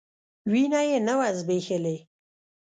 وينه يې نه وه ځبېښلې.